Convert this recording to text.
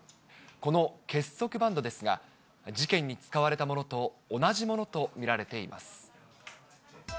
この結束バンドですが、事件に使われたものと同じものと見られています。